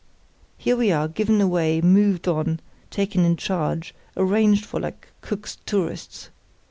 "Here we are, given away, moved on, taken in charge, arranged for like Cook's tourists.